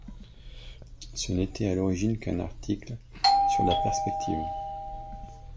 Ce n’était à l’origine qu’un article sur la perspective.